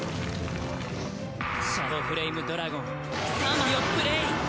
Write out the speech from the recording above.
シャドウ・フレイムドラゴン３枚をプレイ。